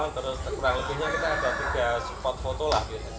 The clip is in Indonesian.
terus kurang lebihnya kita ada tiga spot foto lah